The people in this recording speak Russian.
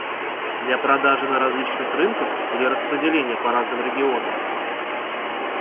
Для продажи на различных рынках или распределения по разным регионам?